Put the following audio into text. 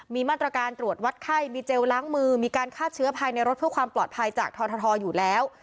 มีมาตรการตรวจวัดไข้มีเจลล้างมือมีการฆ่าเชื้อภายในรถเพื่อความปลอดภัยจากททอยู่แล้ว